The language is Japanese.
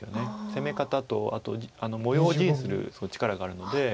攻め方とあと模様を地にする力があるので。